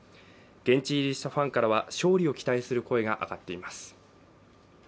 現地入りしたファンからは勝利を期待する声が上がっています。